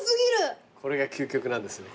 これが究極なんですね。